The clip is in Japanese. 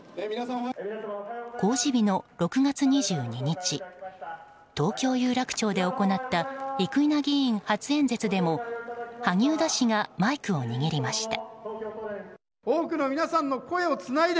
公示日の６月２２日東京・有楽町で行った生稲議員初演説で萩生田氏がマイクを握りました。